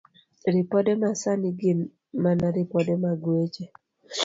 Ripode Masani Gin mana ripode mag weche.